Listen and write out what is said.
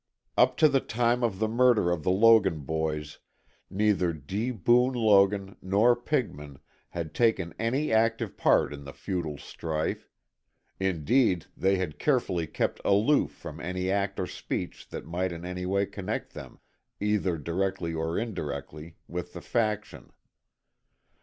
Up to the time of the murder of the Logan boys neither D. Boone Logan nor Pigman had taken any active part in the feudal strife, indeed they had carefully kept aloof from any act or speech that might in any way connect them either directly or indirectly with the faction.